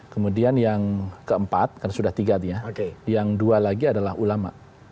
kemudian yang keempat kan sudah tiga dia yang dua lagi adalah ulama